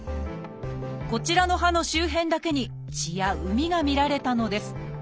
こちらの歯の周辺だけに血や膿が見られたのです。